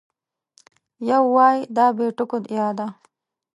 یو وای دا بې ټکو یا ده